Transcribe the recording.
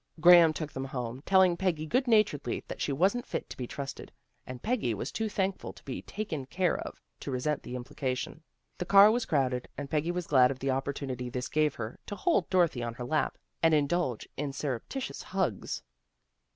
Graham took them home, telling Peggy good naturedly that she wasn't fit to be trusted, and Peggy was too thankful to be taken care of, to resent the implication. The car was crowded, and Peggy was glad of the opportunity this gave her to hold Dorothy on her lap, and indulge in surreptitious hugs.